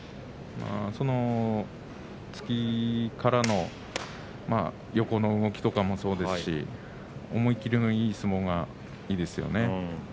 突きからの横の動きとかもそうですし思い切りもいい相撲をするのがいいですよね。